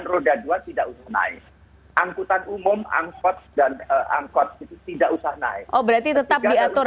perairan roda dua tidak naik angkutan umum angkot dan angkot tidak usah naik berarti tetap diatur